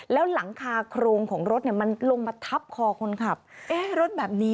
แล้วหลังคาโครงลงของรถลงมาทับคอคนขับ